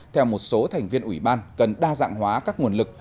theo một số thành viên ủy ban cần đa dạng hóa các nguồn lực